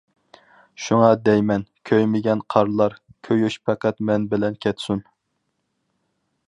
شۇڭا دەيمەن، كۆيمىگىن قارلار، كۆيۈش پەقەت مەن بىلەن كەتسۇن.